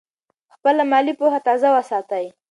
خپله مالي پوهه تازه وساتئ.